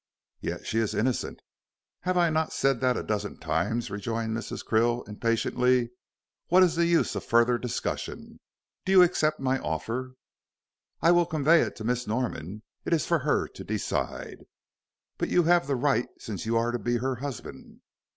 "Yet she is innocent." "Have I not said that a dozen times," rejoined Mrs. Krill, impatiently. "What is the use of further discussion. Do you accept my offer?" "I will convey it to Miss Norman. It is for her to decide." "But you have the right since you are to be her husband."